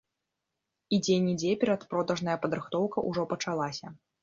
І дзе-нідзе перадпродажная падрыхтоўка ўжо пачалася.